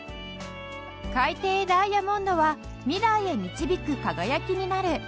海底ダイヤモンドは未来へ導く輝きになる